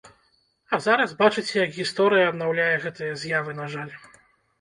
А зараз бачыце як гісторыя аднаўляе гэтыя з'явы, на жаль.